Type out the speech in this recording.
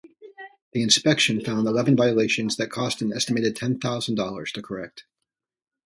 The inspection found eleven violations that cost an estimated ten thousand dollars to correct.